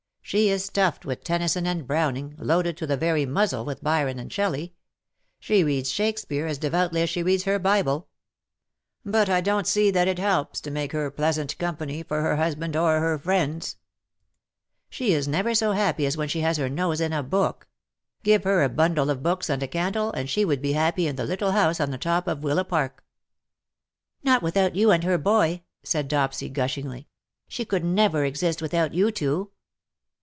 She is stuffed with Tennyson and Browning, loaded to the very muzzle with Byron and Shelley. She reads Shakespeare as devoutly as she reads her Bible. But I don't see that ^' WHO KNOWS NOT CIRCE?" 247 it helps to make her pleasant company for her husband or her friends. She is never so happy as when she has her nose in a book; give her a bundle of books and a candle and she would be happy in the little house on the top of Willapark/' '^Not without you and her boy/'' said Dopsy, gushingly. ^' She could never exist without you two.